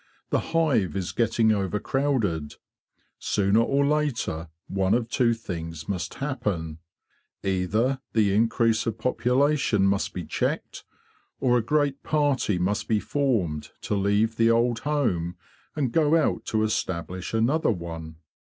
The hive is getting overcrowded. Sooner or later one of two things must happen—either the increase of population must be checked, or a great party must be formed to leave the old home and go out to establish another one.